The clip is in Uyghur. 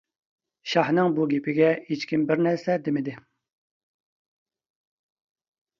شاھنىڭ بۇ گېپىگە ھېچكىم بىرنەرسە دىمىدى.